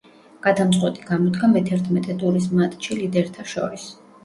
გადამწყვეტი გამოდგა მეთერთმეტე ტურის მატჩი ლიდერთა შორის.